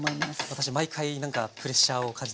私毎回何かプレッシャーを感じてました。